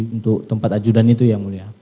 untuk tempat ajudan itu ya mulia